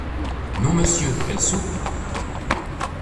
Non, monsieur, elle soupe.